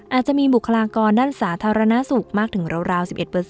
อาจจะมีบุคลากรด้านสาธารณสุขมากถึงราว๑๑